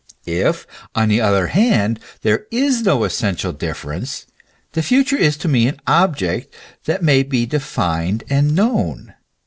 If, on the other hand, there is no essential difference, the future is to me an object that may be defined and known.